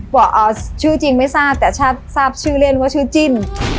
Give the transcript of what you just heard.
ชื่อจริงไม่ทราบแต่ทราบชื่อเล่นว่าชื่อจิ้น